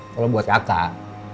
kalau buat kakak